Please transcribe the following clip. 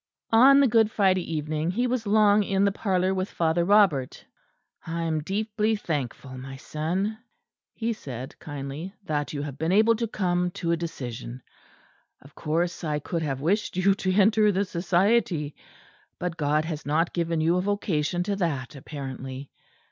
On the Good Friday evening he was long in the parlour with Father Robert. "I am deeply thankful, my son," he said kindly, "that you have been able to come to a decision. Of course I could have wished you to enter the Society; but God has not given you a vocation to that apparently.